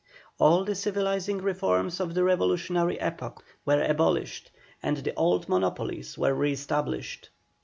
All the civilizing reforms of the revolutionary epoch were abolished, and the old monopolies were re established.